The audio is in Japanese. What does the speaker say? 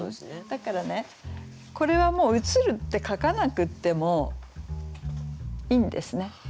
だからねこれはもう「映る」って書かなくってもいいんですね。